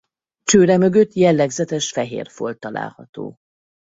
Csőre mögött jellegzetes fehér folt található.